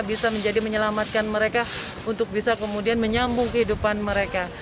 bisa menjadi menyelamatkan mereka untuk bisa kemudian menyambung kehidupan mereka